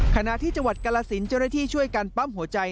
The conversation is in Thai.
ขณะที่จังหวัดกรสินเจ้าหน้าที่ช่วยกันปั๊มหัวใจ